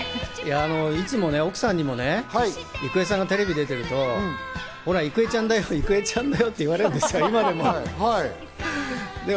いつも奥さんにもね、郁恵さんがテレビに出てると、「ほら郁恵ちゃんだよ、郁恵ちゃんだよ」って言われるんですよ、今でも。